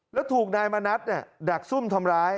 แล้วถูกนายมณัฐดักซุ่มทำร้าย